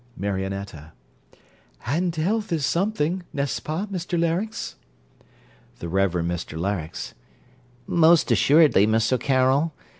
MARIONETTA And health is something. N'est ce pas, Mr Larynx? THE REVEREND MR LARYNX Most assuredly, Miss O'Carroll.